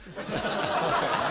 確かにね。